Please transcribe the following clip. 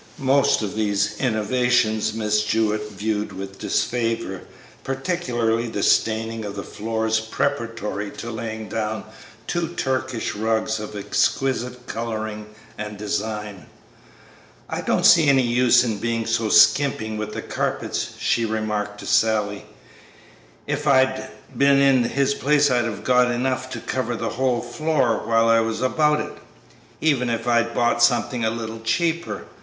Most of these innovations Miss Jewett viewed with disfavor, particularly the staining of the floors preparatory to laying down two Turkish rugs of exquisite coloring and design. "I don't see any use in being so skimping with the carpets," she remarked to Sally; "if I'd been in his place I'd have got enough to cover the whole floor while I was about it, even if I'd bought something a little cheaper.